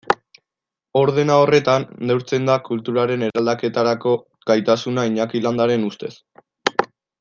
Ordena horretan neurtzen da kulturaren eraldaketarako gaitasuna Iñaki Landaren ustez.